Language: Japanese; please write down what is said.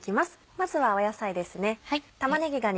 まずは野菜ですね。